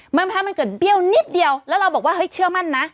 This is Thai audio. แม้มะทัศน์มันเกิดเบี้ยวนิดเดียวแล้วเราบอกว่าเชื่อมั่นนะ